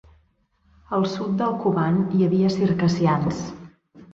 A sud del Kuban hi havia circassians.